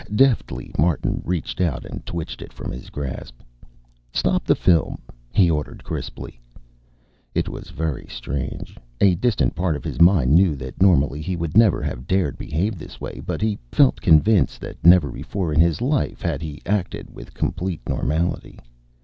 Deftly Martin reached out and twitched it from his grasp. "Stop the film," he ordered crisply. It was very strange. A distant part of his mind knew that normally he would never have dared behave this way, but he felt convinced that never before in his life had he acted with complete normality.